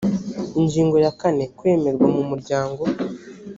ingingo ya kane kwemerwa mu muryango